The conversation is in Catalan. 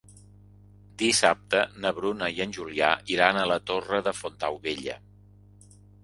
Dissabte na Bruna i en Julià iran a la Torre de Fontaubella.